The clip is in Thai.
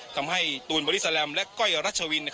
ทำให้ตูนบอริสแสลมและก้อยรัชวิน